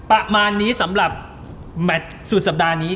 อ่ะนะครับประมาณนี้สำหรับแมทสูตรสัปดาห์นี้